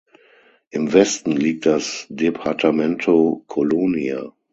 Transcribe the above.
Im Westen liegt das Departamento Colonia.